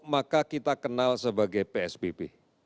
maka kita kenal sebagai psbb